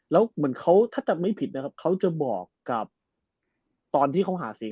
แล้วเหมือนเขาถ้าจำไม่ผิดนะครับเขาจะบอกกับตอนที่เขาหาเสียง